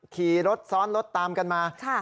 ขี่รถซ้อนรถตามกันมา